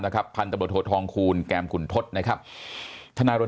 นะครับพันธุ์ตรวจโทษทองคูณแกรมขุนทศนะครับท่านนายรวม